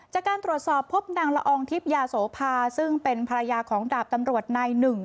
จากการตรวจสอบพบนางละอองทิพยาโสภาซึ่งเป็นภรรยาของดาบตำรวจนายหนึ่ง